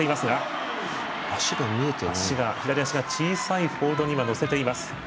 左足、小さいホールドに乗せています。